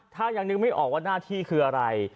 ถ้ายังนึกไม่ออกว่าหน้าที่คืออะไร